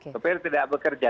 sopir tidak bekerja